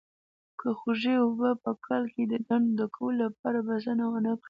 که خوږې اوبه په کال کې د ډنډ ډکولو لپاره بسنه ونه کړي.